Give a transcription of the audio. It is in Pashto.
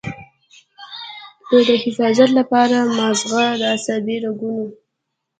نو د حفاظت له پاره مازغۀ د عصبي رګونو